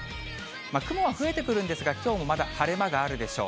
雲は増えてくるんですが、きょうもまだ晴れ間があるでしょう。